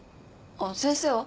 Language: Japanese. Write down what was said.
先生は？